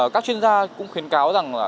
các chuyên gia cũng khuyến cáo rằng